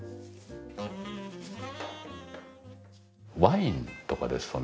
ワインとかですとね